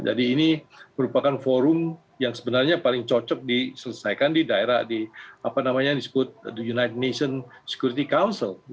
jadi ini merupakan forum yang sebenarnya paling cocok diselesaikan di daerah united nations security council